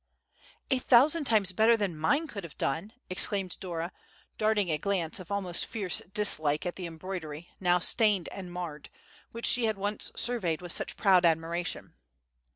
"A thousand times better than mine could have done!" exclaimed Dora, darting a glance of almost fierce dislike at the embroidery, now stained and marred, which she had once surveyed with such proud admiration.